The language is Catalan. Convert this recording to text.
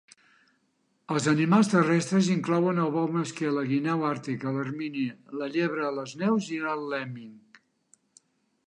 Els animals terrestres inclouen el bou mesquer, la guineu àrtica, l'ermini, la llebre de les neus i el lemming.